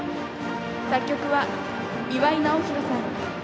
作曲は岩井直溥さん。